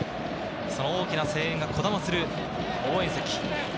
その大きな声援がこだまする応援席。